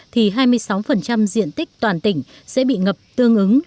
thì hai mươi sáu diện tích toàn tỉnh sẽ bị ngập tương ứng